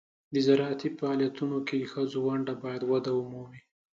د زراعتي فعالیتونو کې د ښځو ونډه باید وده ومومي.